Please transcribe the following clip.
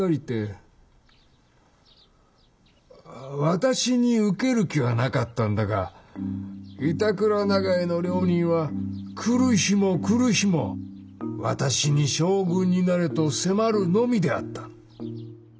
私に受ける気はなかったんだが板倉永井の両人は来る日も来る日も私に将軍になれと迫るのみであった。